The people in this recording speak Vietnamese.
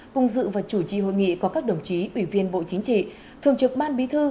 cùng dự và chủ trì hội nghị có các đồng chí ủy viên bộ chính trị thường trực ban bí thư